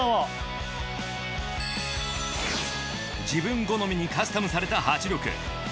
自分好みにカスタムされた８６。